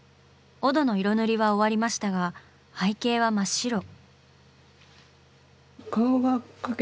オドの色塗りは終わりましたが背景は真っ白。